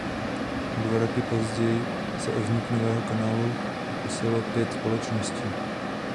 O dva roky později se o vznik nového kanálu pokusilo pět společností.